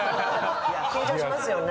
緊張しますよね。